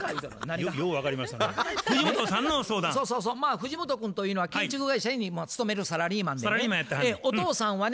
藤本君というのは建築会社に勤めるサラリーマンでねお父さんはね